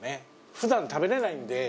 ふだん、食べれないんで。